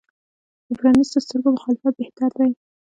د پرانیستو سترګو مخالفت بهتر دی.